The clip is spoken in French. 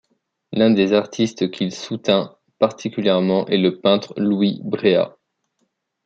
L'un des artistes qu’il soutint particulièrement est le peintre Louis Bréa.